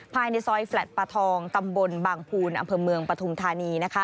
ภายในซอยแฟลต์ประทองตำบลบางภูนอำเภอเมืองปฐุมธานี